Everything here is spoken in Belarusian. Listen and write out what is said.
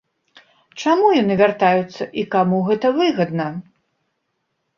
Чаму яны вяртаюцца і каму гэта выгадна?